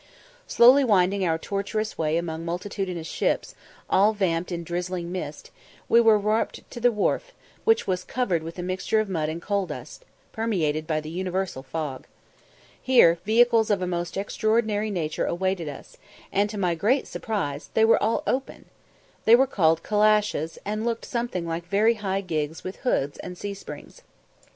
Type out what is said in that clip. Slowly winding our tortuous way among multitudinous ships, all vamped in drizzling mist, we were warped to the wharf, which was covered with a mixture of mud and coal dust, permeated by the universal fog. Here vehicles of a most extraordinary nature awaited us, and, to my great surprise, they were all open. They were called calashes, and looked something like very high gigs with hoods and C springs.